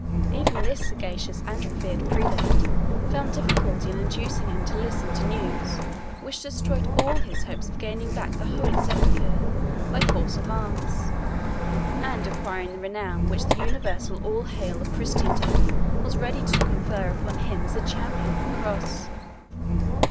Even this sagacious and reverend prelate found difficulty in inducing him to listen to news which destroyed all his hopes of gaining back the Holy Sepulchre by force of arms, and acquiring the renown which the universal all hail of Christendom was ready to confer upon him as the Champion of the Cross.